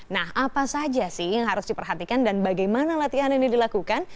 nah apa saja sih yang harus diperhatikan dan bagaimana latihan ini dilakukan